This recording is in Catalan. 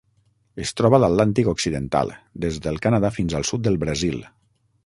Es troba a l'Atlàntic occidental: des del Canadà fins al sud del Brasil.